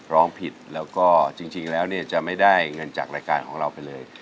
ร้องผิดแล้วก็จริงแล้วเนี่ยจะไม่ได้เงินจากรายการของเราไปเลย